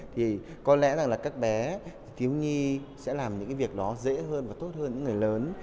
thì có lẽ rằng là các bé thiếu nhi sẽ làm những cái việc đó dễ hơn và tốt hơn những người lớn